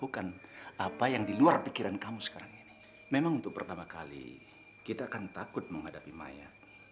sampai jumpa di video selanjutnya